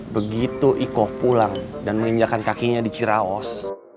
begitu iko pulang dan menginjakan kakinya di ciraos